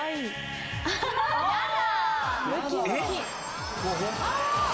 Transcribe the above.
やだ！